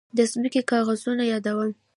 د ځمکې کاغذونه يادوم.